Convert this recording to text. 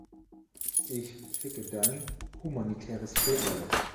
Ich ficke dein Humanitäres Völkerrecht.